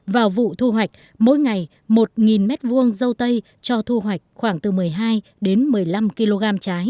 vào vụ thu hoạch mỗi ngày một m hai dâu tây cho thu hoạch khoảng từ một mươi hai đến một mươi năm kg trái